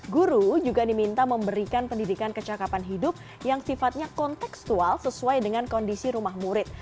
guru juga diminta memberikan pendidikan kecakapan hidup yang sifatnya konteksual sesuai dengan kondisi rumah murid